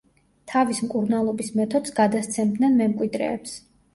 თავის მკურნალობის მეთოდს გადასცემდნენ მემკვიდრეებს.